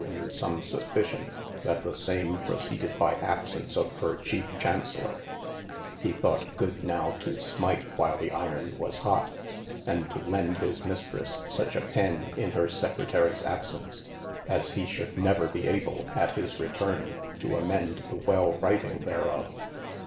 in some suspition that the same proceeded by absence of hir chiefe Chauncellor, he thought good now to smyte while the yrbn was hotte, and to lend his Mistresse suche a penne in hir Secretaries absence, as hee should never be able (at his returne) to amend the well writing therof.